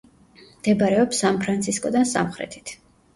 მდებარეობს სან-ფრანცისკოდან სამხრეთით.